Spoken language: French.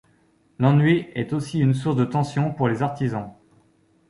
L'ennui est aussi une source de tension pour les Artisans.